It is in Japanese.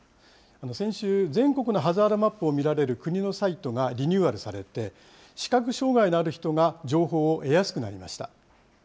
先週、全国のハザードマップを見られる国のサイトがリニューアルされて、視覚障害のある人が情報を得やすくなりました。